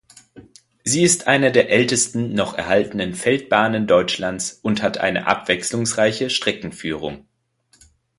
Sie ist eine der ältesten noch erhaltenen Feldbahnen Deutschlands und hat eine abwechslungsreiche Streckenführung.